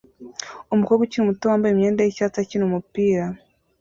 Umukobwa ukiri muto wambaye imyenda yicyatsi akina umupira